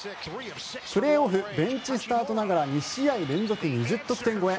プレーオフベンチスタートながら２試合連続２０得点超え。